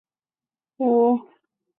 顺治十一年辛卯科江南乡试举人。